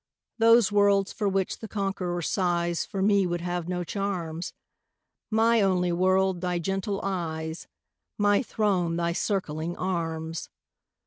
Those worlds for which the conqueror sighs For me would have no charms; My only world thy gentle eyes My throne thy circling arms!